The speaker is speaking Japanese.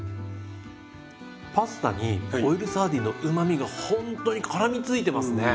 パスタにオイルサーディンのうまみがほんとにからみついてますね。